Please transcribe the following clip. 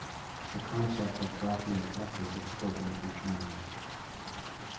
The concept of Gothia Cup is exporting to China.